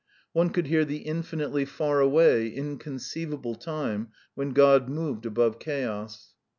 One could hear the infinitely faraway, inconceivable time when God moved above chaos.